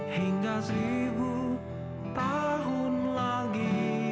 hingga seribu tahun lagi